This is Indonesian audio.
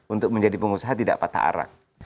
untuk menjadi pengusaha tidak patah arang